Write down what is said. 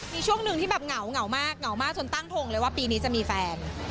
มีช่วงหนึ่งที่แบบเหงามากเหงามากจนตั้งทงเลยว่าปีนี้จะมีแฟน